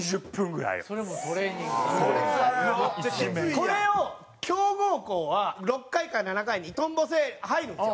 これを強豪校は６回か７回に「トンボせえ」入るんですよ。